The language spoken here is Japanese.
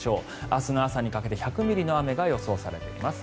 明日の朝にかけて１００ミリの雨が予想されています。